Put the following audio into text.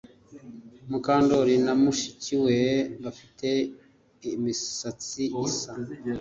Mukandoli na mushiki we bafite imisatsi isa